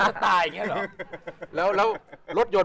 จะตายอย่างงี้หรอ